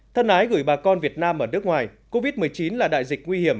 thân ái gửi bà con việt nam ở nước ngoài covid một mươi chín là đại dịch nguy hiểm